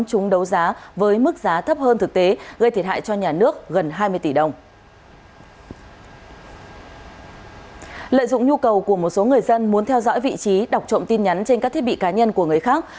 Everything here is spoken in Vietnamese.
chúng đấu giá với mức giá thấp hơn thực tế gây thiệt hại cho nhà nước gần hai mươi tỷ đồng